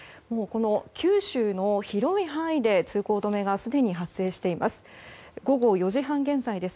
九州の広い範囲で通行止めがすでに発生しています。